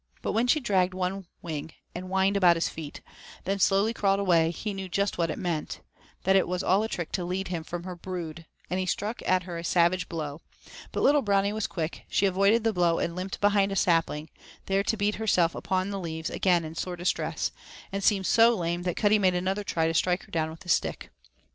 But when she dragged one wing and whined about his feet, then slowly crawled away, he knew just what it meant that it was all a trick to lead him from her brood, and he struck at her a savage blow; but little Brownie was quick, she avoided the blow and limped behind a sapling, there to beat herself upon the leaves again in sore distress, and seem so lame that Cuddy made another try to strike her down with a stick.